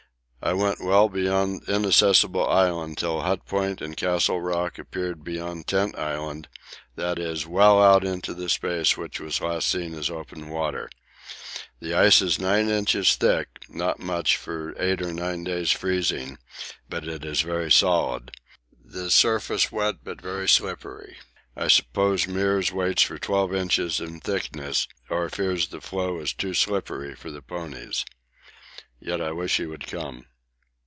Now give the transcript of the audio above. I went well beyond Inaccessible Island till Hut Point and Castle Rock appeared beyond Tent Island, that is, well out on the space which was last seen as open water. The ice is 9 inches thick, not much for eight or nine days' freezing; but it is very solid the surface wet but very slippery. I suppose Meares waits for 12 inches in thickness, or fears the floe is too slippery for the ponies. Yet I wish he would come.